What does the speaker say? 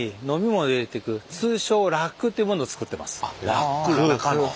ラック中の。